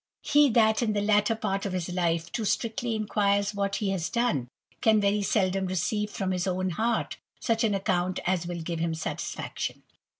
He that in the latter part of his life too strictly Squires what he has done, can very seldom receive from his ^^ heart such an account as will give him satisfaction.